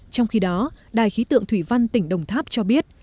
trong khi đó đài khí tượng thủy văn tỉnh đồng tháp cho biết